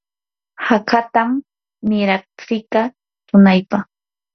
hakatam miratsiyka tunaypa.